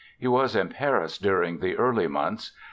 He was in Paris during the early months.